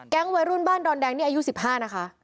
วัยรุ่นบ้านดอนแดงนี่อายุ๑๕นะคะ